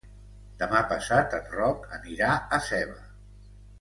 Demà passat en Roc anirà a Seva.